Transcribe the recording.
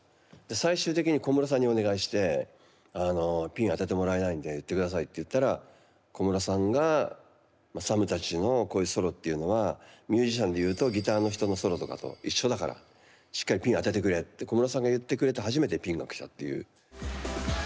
最終的に小室さんにお願いしてピン当ててもらえないんで言って下さいって言ったら小室さんがＳＡＭたちのこういうソロっていうのはミュージシャンで言うとギターの人のソロとかと一緒だからしっかりピン当ててくれって小室さんが言ってくれて初めてピンが来たっていう。